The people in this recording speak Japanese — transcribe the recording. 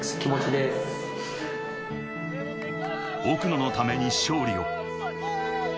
奥野のために勝利を。